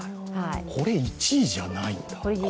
これ、１位じゃないんだ？